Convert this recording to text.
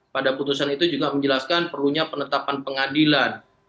pada putusan itu juga menjelaskan perlunya penetapan pengadilan